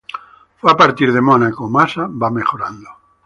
Pero a partir de Mónaco, Massa va mejorando.